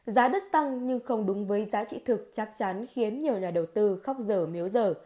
giá đất tăng nhưng không đúng với giá trị thực chắc chắn khiến nhiều nhà đầu tư khóc dở mếu dở